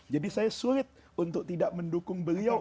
jadi saya sulit untuk tidak mendukung beliau